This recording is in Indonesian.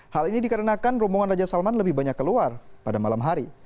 hal ini dikarenakan rombongan raja salman lebih banyak keluar pada malam hari